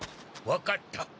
わかった。